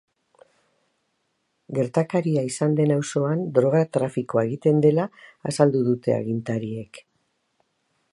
Gertakaria izan den auzoan droga-trafikoa egiten dela azaldu dute agintariek.